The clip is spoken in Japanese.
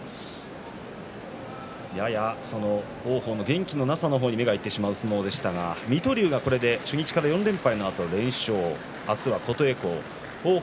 やや、その王鵬の元気のなさの方に目がいってしまう相撲でしたが水戸龍が、これで初日からの４連敗のあと連勝。